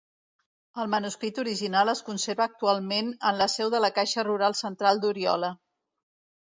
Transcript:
El manuscrit original es conserva actualment en la seu de la Caixa Rural Central d'Oriola.